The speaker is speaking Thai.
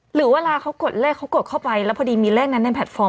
หรือเวลาเขากดเลขเขากดเข้าไปแล้วพอดีมีเลขนั้นในแพลตฟอร์ม